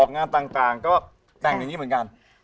งานต่างก็แต่งอย่างนี้เหมือนกัน